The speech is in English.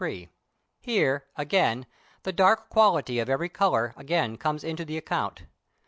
Here, again, the dark quality of every colour again comes into the account.